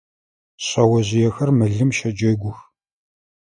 Шъэожъыехэр мылым щэджэгух.